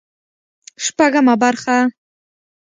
شپږمه برخه